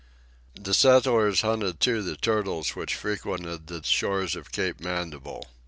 The settlers hunted too the turtles which frequented the shores of Cape Mandible.